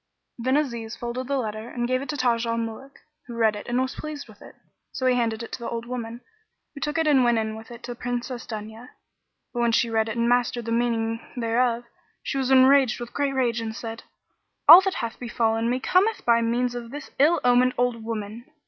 Then Aziz folded the letter and gave it to Taj al Muluk, who read it and was pleased with it. So he handed it to the old woman, who took it and went in with it to Princess Dunya. But when she read it and mastered the meaning thereof, she was enraged with great rage and said, "All that hath befallen me cometh by means of this ill omened old woman!"